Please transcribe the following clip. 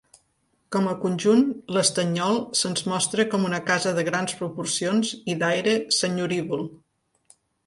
Com a conjunt, l'Estanyol se'ns mostra com una casa de grans proporcions i d'aire senyorívol.